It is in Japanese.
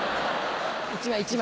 １枚１枚。